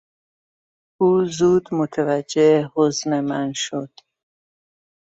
او زود متوجه حزن من شد.